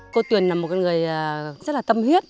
cô tuyền là một người rất là tâm huyết